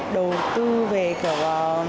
đầu tư về kiểu